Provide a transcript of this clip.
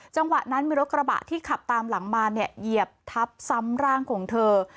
จังหวะนั้นมีรถกระบะที่ขับตามหลังมาเนี่ยเหยียบทับซ้ำร่างของเธอ